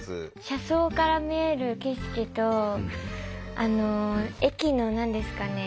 車窓から見える景色と駅の何ですかね